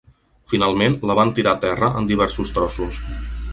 Finalment, la van tirar a terra en diversos trossos.